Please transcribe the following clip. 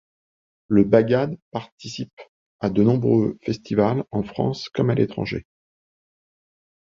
Le bagad participe à de nombreux festivals en France comme à l'étranger.